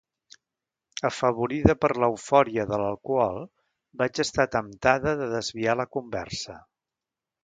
Afavorida per l’eufòria de l’alcohol vaig estar temptada de desviar la conversa.